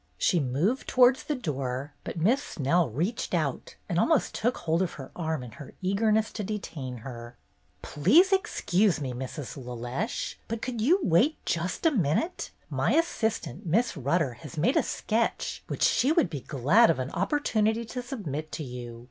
She moved towards the door, but Miss Snell reached out and almost took hold of her arm in her eagerness to detain her. " Please excuse me, Mrs. LeLeche, but could you wait just a minute? My assistant. Miss Rutter, has made a sketch which she would be glad of an opportunity to submit to you.